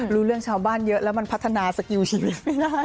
รู้เรื่องชาวบ้านเยอะแล้วมันพัฒนาสกิลชีวิตไม่ได้